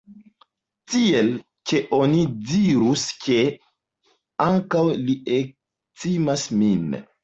Tiel, ke oni dirus ke, ankaŭ li, ektimas min.